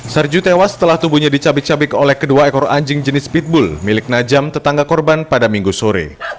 sarju tewas setelah tubuhnya dicabik cabik oleh kedua ekor anjing jenis pitbull milik najam tetangga korban pada minggu sore